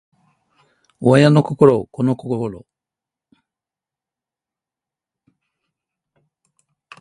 親の心子の心